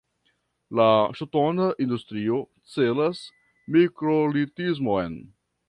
La ŝtona industrio celas mikrolitismon.